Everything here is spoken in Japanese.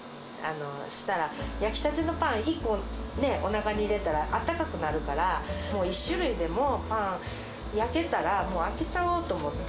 そうしたら、焼きたてのパン１個、ね、おなかに入れたら、あったかくなるから、もう１種類でもパン、焼けたら、もう開けちゃおうと思って。